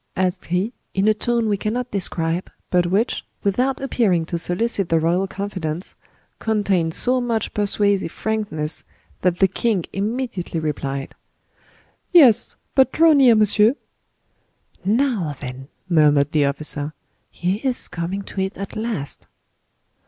asked he, in a tone we cannot describe, but which, without appearing to solicit the royal confidence, contained so much persuasive frankness, that the king immediately replied: "Yes; but draw near, monsieur." "Now then," murmured the officer, "he is coming to it at last."